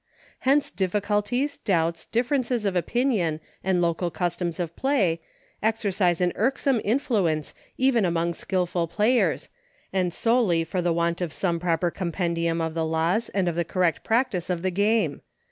Hence difficulties, doubts, differ ences of opinion, and local customs of play, exercise an irksome influence even among skillful players, and solely for the want of some proper compendium of the laws and of the correct practice of the game.